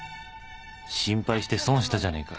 心配して損したじゃねえか